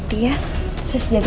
tidak mau pulang dulu ya